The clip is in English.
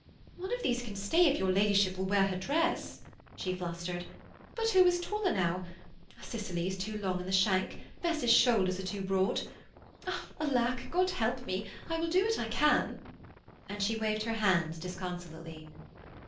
'One of these can stay if your ladyship will wear her dress,' she flustered. 'But who is tall enow? Cicely is too long in the shank. Bess's shoulders are too broad. Alack! God help me! I will do what I can' and she waved her hands disconsolately.